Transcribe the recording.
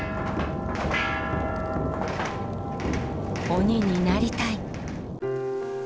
鬼になりたい！